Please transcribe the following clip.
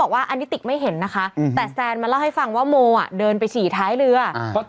ว่าอันนี้ติกไม่เห็นนะคะแต่แซนมาเล่าให้ฟังว่าโมอ่ะเดินไปฉี่ท้ายเรือ